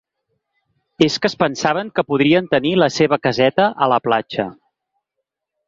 És que es pensaven que podrien tenir la seva caseta a la platja.